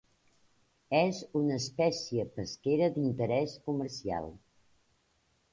És una espècie pesquera d'interès comercial.